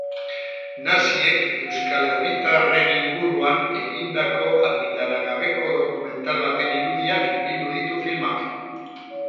Naziek euskal herritarren inguruan egindako argitaragabeko dokumental baten irudiak bildu ditu filmak.